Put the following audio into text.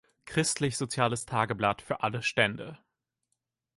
Christlich-soziales Tageblatt für alle Stände“.